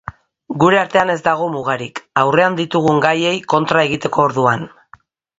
Gure artean ez dago mugarik, aurrean ditugun gaiei kontra egiteko orduan.